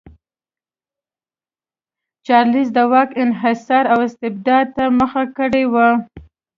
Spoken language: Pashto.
چارلېز د واک انحصار او استبداد ته مخه کړې وه.